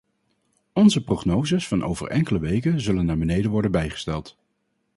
Onze prognoses van over enkele weken zullen naar beneden worden bijgesteld.